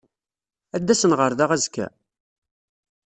Ad d-asen ɣer da azekka?